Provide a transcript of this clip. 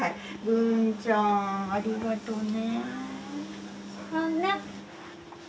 文ちゃんありがとね。